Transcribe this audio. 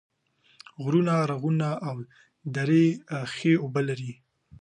غرونه، رغونه او درې ښې اوبه لري